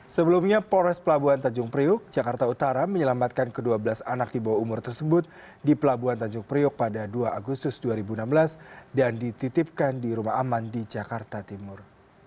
sebelumnya polres pelabuhan tanjung priuk jakarta utara menyelamatkan ke dua belas anak di bawah umur tersebut di pelabuhan tanjung priok pada dua agustus dua ribu enam belas dan dititipkan di rumah aman di jakarta timur